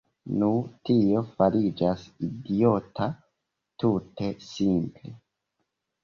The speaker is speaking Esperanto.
Nu, tio fariĝas idiota tute simple.